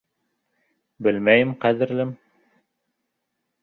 Белмәйем, ҡәҙерлем.